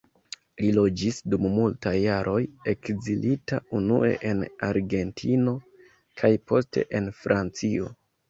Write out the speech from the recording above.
Li loĝis dum multaj jaroj ekzilita, unue en Argentino kaj poste en Francio.